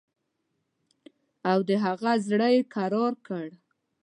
او د هغه زړه یې کرار کړ.